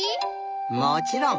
もちろん。